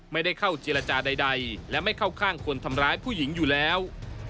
ไม่ได้เข้าเจรจาใดและไม่เข้าข้างคนทำร้ายผู้หญิงอยู่แล้ว